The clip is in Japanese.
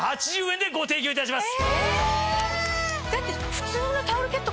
でご提供いたします。